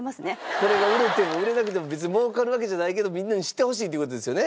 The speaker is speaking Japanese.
これが売れても売れなくても別にもうかるわけじゃないけどみんなに知ってほしいという事ですよね？